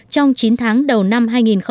trong chín tháng đầu năm hai nghìn một mươi bảy